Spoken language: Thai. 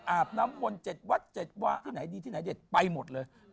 อาบน้ำมนต์๗วัด๗วาที่ไหนดีที่ไหนเด็ดไปหมดเลย